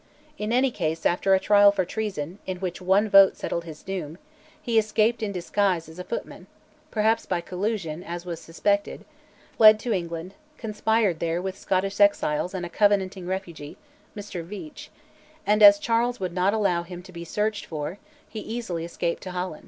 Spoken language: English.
In any case, after a trial for treason, in which one vote settled his doom, he escaped in disguise as a footman (perhaps by collusion, as was suspected), fled to England, conspired there with Scottish exiles and a Covenanting refugee, Mr Veitch, and, as Charles would not allow him to be searched for, he easily escaped to Holland.